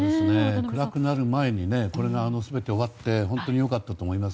暗くなる前に全て終わって本当に良かったと思います。